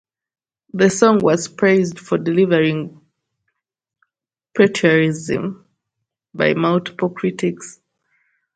The song was praised for "delivering patriotism" by multiple critics.